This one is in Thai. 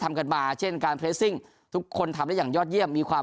ทำกันมาเช่นการเรสซิ่งทุกคนทำได้อย่างยอดเยี่ยมมีความ